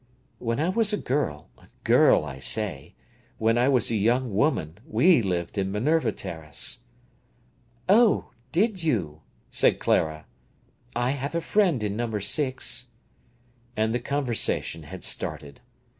"When I was a girl—girl, I say!—when I was a young woman we lived in Minerva Terrace." "Oh, did you!" said Clara. "I have a friend in number 6." And the conversation had started.